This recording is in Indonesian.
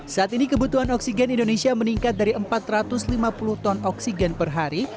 saat ini kebutuhan oksigen indonesia meningkat dari empat ratus lima puluh ton oksigen per hari